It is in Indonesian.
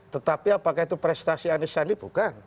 tetapi apakah itu prestasi anis sandi bukan